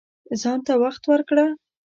ځان ته وخت ورکړه